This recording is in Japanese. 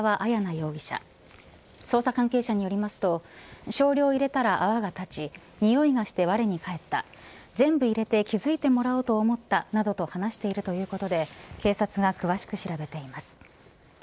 容疑者捜査関係者によりますと少量入れたら泡が立ちにおいがして我にかえった全部入れて気付いてもらおうと思ったなどと話しているということで警察が詳しく調べています。